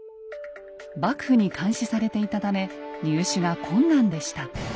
幕府に監視されていたため入手が困難でした。